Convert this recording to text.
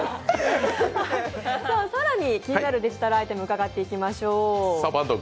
さらに気になるデジタルアイテム伺っていきましょう。